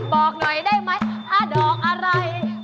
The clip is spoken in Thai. บอกหน่อยได้ไหมถ้าดอกอะไร